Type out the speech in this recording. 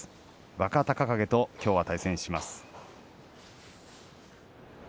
若隆景ときょうは対戦します。